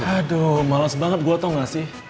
aduh males banget gue tau nggak sih